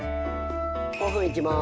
５分いきます。